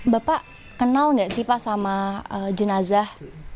bapak kenal nggak sih pak sama jenazah